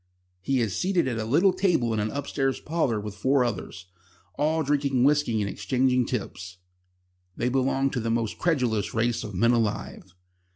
He is seated at a little table in an upstairs parlour with four others, all drinking whisky and exchanging tips. They belong to the most credulous race of men alive.